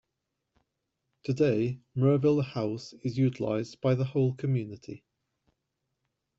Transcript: Today Merville House is utilised by the whole community.